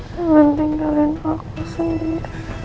yang penting kalian aku sendiri